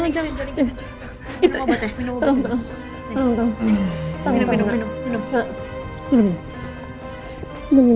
mas masak kamu kenapa